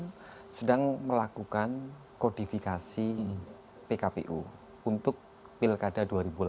kami sedang melakukan kodifikasi pkpu untuk pilkada dua ribu delapan belas